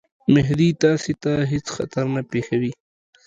مهدي تاسي ته هیڅ خطر نه پېښوي.